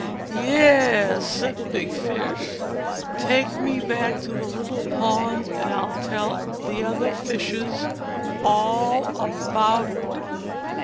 "Yes !" said the big Fish, "take me back to the little pond and I '11 tell the other Fishes all about it."